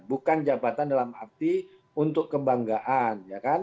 bukan jabatan dalam arti untuk kebanggaan